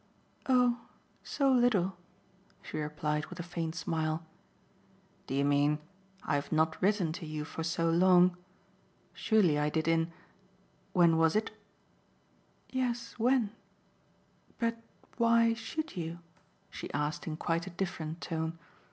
"Oh so little!" she replied with a faint smile. "Do you mean I've not written to you for so long? Surely I did in when was it?" "Yes, when? But why SHOULD you?" she asked in quite a different tone.